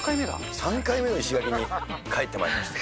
３回目の石垣に帰ってまいりました。